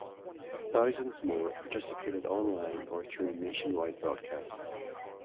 Thousands more participated online or through nationwide broadcasts.